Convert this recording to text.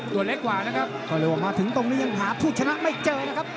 ตัวเล็กกว่านะครับก็เลยว่ามาถึงตรงนี้ยังหาผู้ชนะไม่เจอนะครับ